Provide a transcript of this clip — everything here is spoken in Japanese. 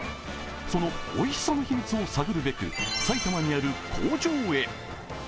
そのおいしさの秘密を探るべく埼玉にある工場へ。